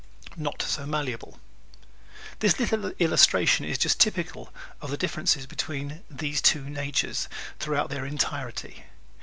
Not So Malleable ¶ This little illustration is typical of the differences between these two natures throughout their entirety.